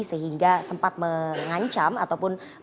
sehingga sempat mengancam ataupun